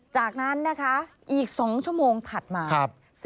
จากนั้นนะคะอีก๒ชั่วโมงถัดมา